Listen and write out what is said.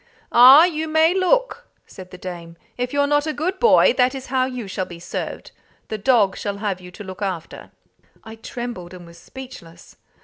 "Ah, you may look!" said the dame. "If you're not a good boy, that is how you shall be served. The dog shall have you to look after." I trembled, and was speechless.